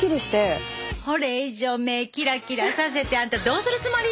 これ以上目キラキラさせてあんたどうするつもり！